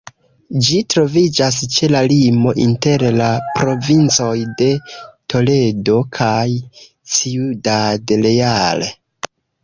Ĝi troviĝas ĉe la limo inter la provincoj de Toledo kaj Ciudad Real.